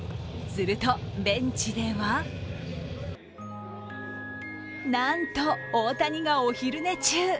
すると、ベンチではなんと、大谷がお昼寝中。